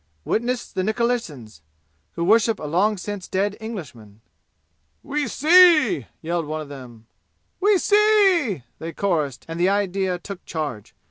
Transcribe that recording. Witness the Nikalseyns, who worship a long since dead Englishman. "We see!" yelled one of them. "We see!" they chorused, and the idea took charge.